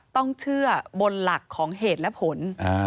ต้องเชื่อบนหลักของเหตุและผล